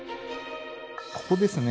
ここですね。